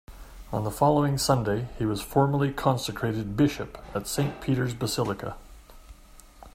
On the following Sunday, he was formally consecrated bishop at St. Peter's Basilica.